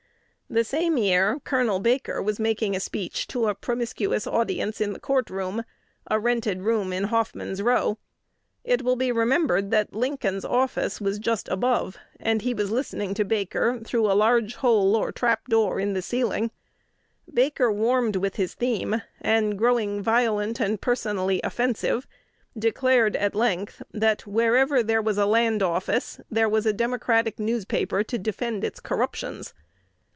The same year, Col. Baker was making a speech to a promiscuous audience in the court room, "a rented room in Hoffman's Row." It will be remembered that Lincoln's office was just above, and he was listening to Baker through a large hole or trap door in the ceiling. Baker warmed with his theme, and, growing violent and personally offensive, declared at length, "that wherever there was a land office, there was a Democratic newspaper to defend its corruptions."